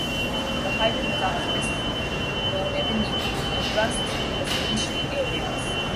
The highway becomes West Roane Avenue and runs through residential areas.